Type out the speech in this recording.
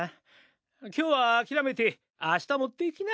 今日はあきらめて明日持っていきな。